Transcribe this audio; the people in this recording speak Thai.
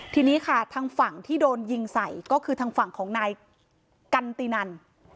ทีนี้ค่ะทางฝั่งที่โดนยิงใส่ก็คือทางฝั่งของนายกันตินัน